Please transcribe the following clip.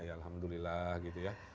alhamdulillah gitu ya